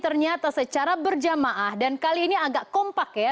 ternyata secara berjamaah dan kali ini agak kompak ya